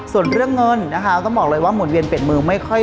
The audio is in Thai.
ส่วนเรื่องเงินนะคะต้องบอกเลยว่าหมุนเวียนเปลี่ยนมือไม่ค่อย